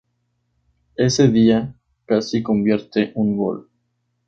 Ese día, casi convierte un gol.